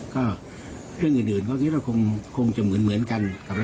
ก็เรื่องอื่นเพราะว่าคงจะเหมือนกัน